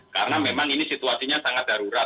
karena memang ini situasinya sangat darurat